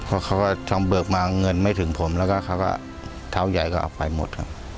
เพราะเขาก็ทำเบิกมาเงินไม่ถึงผมแล้วก็เขาก็เท้าใหญ่ก็เอาไปหมดครับ